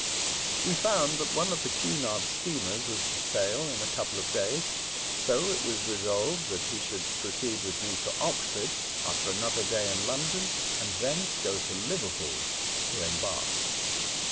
We found that one of the Cunard steamers was to sail in a couple of days, so it was resolved that he London, 27 should proceed with me to Oxford after another day in London, and thence go to Liverpool to embark.